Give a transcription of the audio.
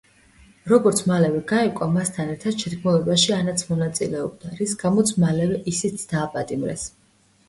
როგორც მალევე გაირკვა, მასთან ერთად შეთქმულებაში ანაც მონაწილეობდა, რის გამოც მალევე ისიც დააპატიმრეს.